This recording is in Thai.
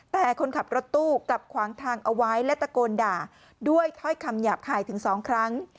แต่คนขับรถตู้กลับขวางทางเอาไว้และตะโกนด่าด้วยถ้อยคำหยาบคายถึง๒ครั้ง